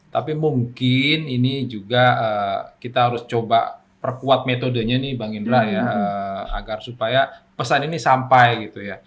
tapi mungkin ini juga kita harus coba perkuat metodenya nih bang indra ya agar supaya pesan ini sampai gitu ya